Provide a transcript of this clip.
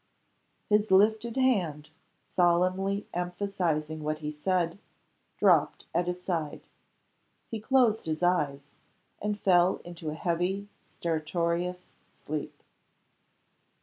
His lifted hand, solemnly emphasizing what he said, dropped at his side. He closed his eyes; and fell into a heavy stertorous sleep.